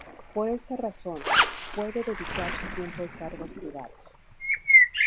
Por esta razón, puede dedicar su tiempo a encargos privados.